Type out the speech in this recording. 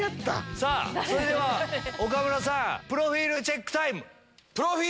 さあ、それでは岡村さん、プロフィールチェックタイム？